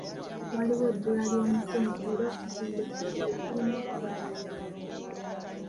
Waliwo ebbula ly'omusenyu era okuzimba effumbiro kulina okuyimirira.